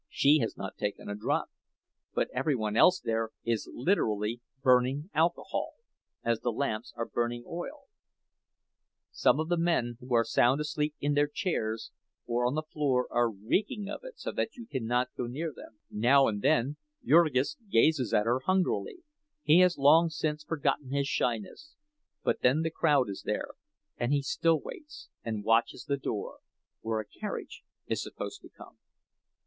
She has not taken a drop, but every one else there is literally burning alcohol, as the lamps are burning oil; some of the men who are sound asleep in their chairs or on the floor are reeking of it so that you cannot go near them. Now and then Jurgis gazes at her hungrily—he has long since forgotten his shyness; but then the crowd is there, and he still waits and watches the door, where a carriage is supposed to come.